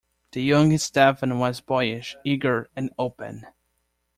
The younger Stefan was boyish, eager and open.